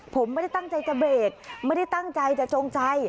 ผมไม่ได้ตั้งใจจะเบรกไม่ได้ตั้งใจจะจงใจ